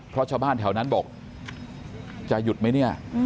เพราะชาวบ้านแถวนั้นบอกจะหยุดไหมเนี่ย